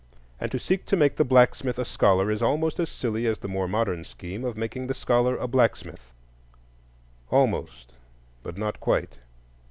And to seek to make the blacksmith a scholar is almost as silly as the more modern scheme of making the scholar a blacksmith; almost, but not quite.